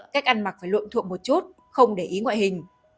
cách ăn mặc phải lượm thuộc một chút không để ý ngoại hình